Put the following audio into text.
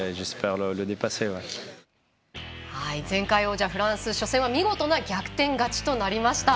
前回王者フランス初戦は見事な逆転勝ちとなりました。